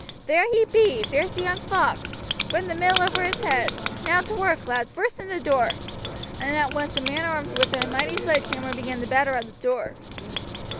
"There he be, there's the young fox; burn the mill over his head. Now to work, lads, burst in the door." And at once a man armed with a mighty sledgehammer began to batter at the door.